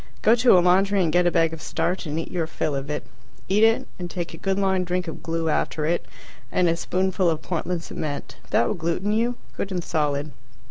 Go to a laundry and get a bag of starch, and eat your fill of it. Eat it, and take a good long drink of glue after it, and a spoonful of Portland cement. That will gluten you, good and solid.